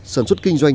sản xuất kinh doanh